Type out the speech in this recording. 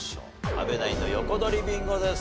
阿部ナインの横取りビンゴです。